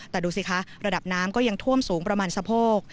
แต่ดูสิคะระดับน้ำก็ยังท่วมสูงประมาณสะโพก